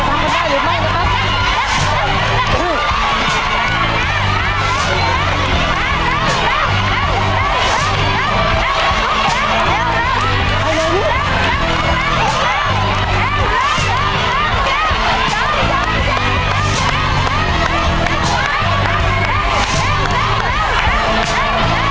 เอาละ๓นาทีภารกิจนี้เด็กจะทำได้หรือไม่นะครับ